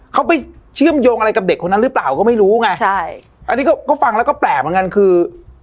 เขาไปเชื่อมโยงอะไรกับเด็กคนนั้นหรือเปล่าก็ไม่รู้ไงใช่อันนี้ก็ก็ฟังแล้วก็แปลกเหมือนกันคือ